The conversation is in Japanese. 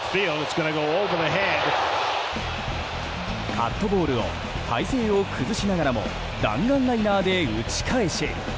カットボールを体勢を崩しながらも弾丸ライナーで打ち返し！